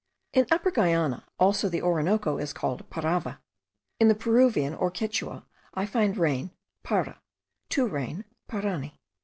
In Upper Guiana also the Orinoco is called Parava. In the Peruvian, or Quichua, I find rain, para; to rain, parani.